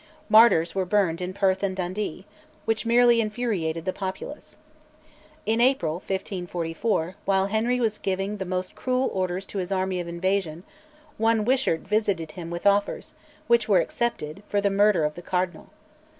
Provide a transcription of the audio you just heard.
Martyrs were burned in Perth and Dundee, which merely infuriated the populace. In April 1544, while Henry was giving the most cruel orders to his army of invasion, one Wishart visited him with offers, which were accepted, for the murder of the Cardinal.